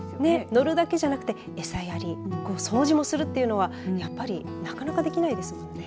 乗るだけではなくて餌やり、掃除もするというのはやっぱりなかなかできないですね。